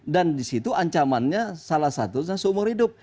dan disitu ancamannya salah satu adalah seumur hidup